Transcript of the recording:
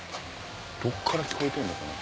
どっから聞こえてんのかな？